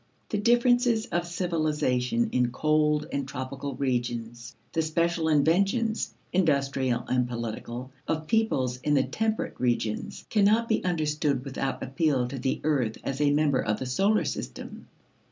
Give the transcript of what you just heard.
The differences of civilization in cold and tropical regions, the special inventions, industrial and political, of peoples in the temperate regions, cannot be understood without appeal to the earth as a member of the solar system.